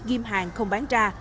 ghim hàng không bán ra